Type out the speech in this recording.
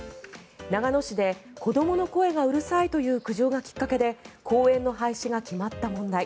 長野市で子どもの声がうるさいという苦情がきっかけで公園の廃止が決まった問題。